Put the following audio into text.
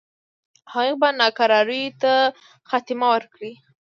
هغوی به ناکراریو ته خاتمه ورکړي.